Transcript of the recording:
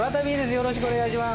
よろしくお願いします。